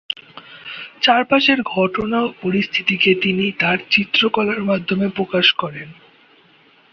চারপাশের ঘটনা ও পরিস্থিতিকে তিনি তার চিত্রকলার মাধ্যমে প্রকাশ করেন।